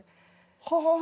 はあ。